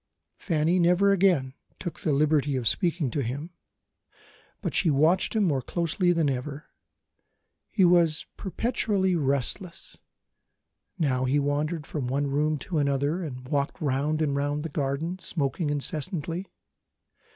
Fanny never again took the liberty of speaking to him; but she watched him more closely than ever. He was perpetually restless. Now he wandered from one room to another, and walked round and round the garden, smoking incessantly.